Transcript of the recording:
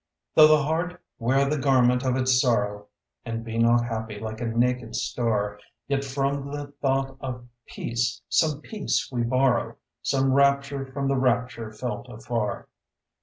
Though the heart wear the garment of its sorrow And be not happy like a naked star, Yet from the thought of peace some peace we borrow, Some rapture from the rapture felt afar.